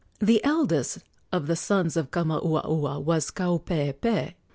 The eldest of the sons of Kamauaua was Kaupeepee.